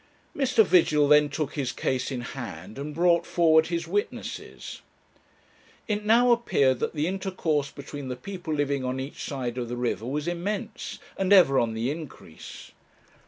Mr. Vigil then took his case in hand, and brought forward his witnesses. It now appeared that the intercourse between the people living on each side of the river was immense, and ever on the increase.